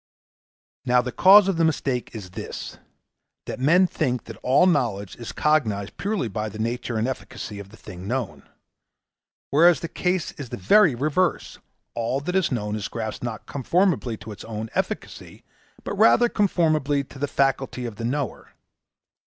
'Now, the cause of the mistake is this that men think that all knowledge is cognized purely by the nature and efficacy of the thing known. Whereas the case is the very reverse: all that is known is grasped not conformably to its own efficacy, but rather conformably to the faculty of the knower.